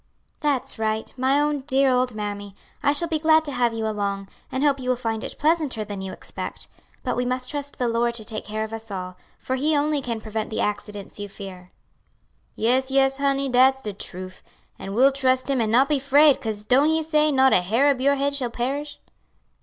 "That's right, my own dear old mammy. I shall be glad to have you along, and hope you will find it pleasanter than you expect; but we must trust the Lord to take care of us all; for He only can prevent the accidents you fear." "Yes, yes, honey, dat's de truff; an' we'll trust Him an' not be 'fraid, 'cause don't He say, 'Not a hair ob your head shall perish.'"